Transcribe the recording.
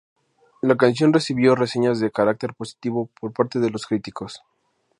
La canción recibió reseñas de carácter positivo por parte de los críticos.